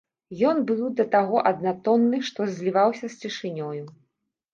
Ён быў да таго аднатонны, што зліваўся з цішынёю.